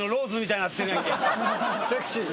セクシー。